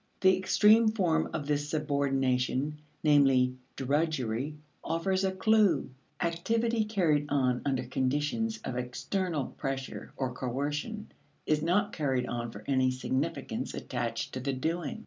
The extreme form of this subordination, namely drudgery, offers a clew. Activity carried on under conditions of external pressure or coercion is not carried on for any significance attached to the doing.